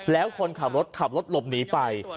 แล้วคนขับรถขับรถหลบหนีไป